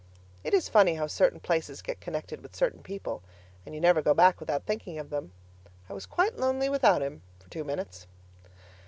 It is funny how certain places get connected with certain people, and you never go back without thinking of them. I was quite lonely without him for two minutes.